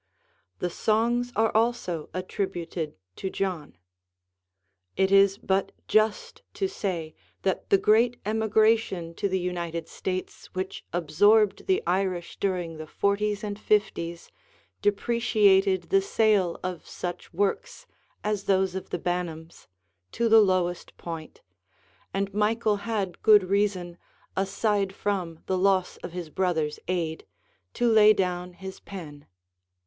The songs are also attributed to John. It is but just to say that the great emigration to the United States which absorbed the Irish during the '40's and '50's depreciated the sale of such works as those of the Banims to the lowest point, and Michael had good reason, aside from the loss of his brother's aid, to lay down his pen.